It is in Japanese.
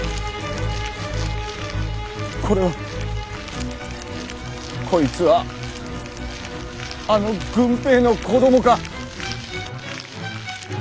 これはこいつはあの郡平の子供かッ！！